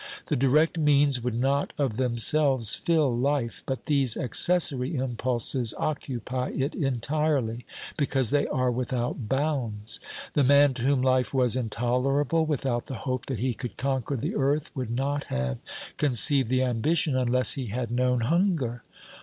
The direct means would not of them selves fill life, but these accessory impulses occupy it entirely, because they are without bounds. The man to whom life was intolerable without the hope that he could conquer the earth would not have conceived the ambition unless he had known hunger.